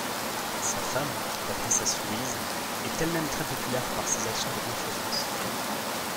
Sa femme, la princesse Louise, est elle-même très populaire par ses actions de bienfaisance.